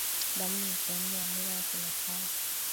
Damu ni sehemu ya mlo wa kimasai